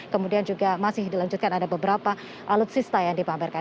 kemudian juga masih dilanjutkan ada beberapa alutsista yang dipamerkan